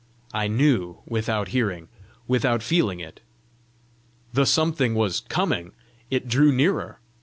I KNEW without hearing, without feeling it! The something was coming! it drew nearer!